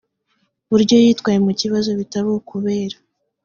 buryo yitwaye mu kibazo bitari ukubera